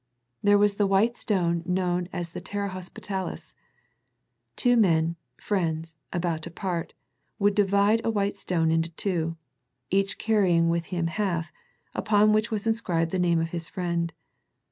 There was the white stone known as the Jes sara hospitalis^ Two men, friends, about to part, would divide a white stone into two, each carrying with him half, upon which was inscribed the name of the friend.